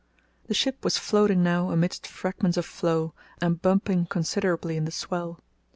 The ship was floating now amid fragments of floe, and bumping considerably in the swell.